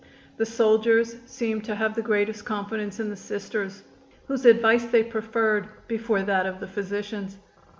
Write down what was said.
The soldiers seemed to have the greatest confidence in the Sisters, whose advice they preferred before that of the physicians.